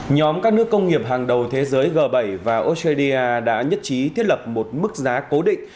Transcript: nhóm các nước công nghiệp hàng đầu thế giới g bảy và australia đã nhất trí thiết lập một mức giá cố định